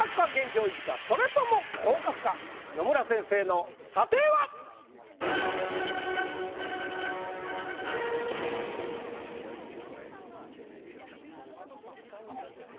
それとも野村先生の査定は⁉お願いします。